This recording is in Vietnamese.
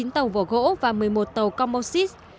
sáu mươi chín tàu vỏ gỗ và một mươi một tàu combo xít